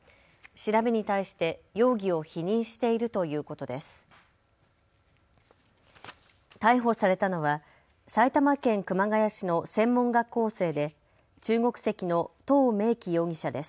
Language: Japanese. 調べに対して容疑を否認しているということです。